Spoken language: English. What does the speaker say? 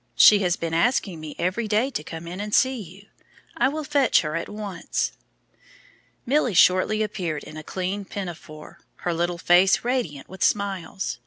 She has been asking me every day to come in and see you. I will fetch her at once." Milly shortly appeared in a clean pinafore, her little face radiant with smiles.